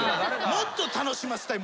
もっと楽しませたい。